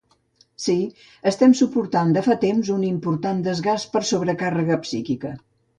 Sí, estem suportant de fa temps un important desgast per sobrecàrrega psíquica.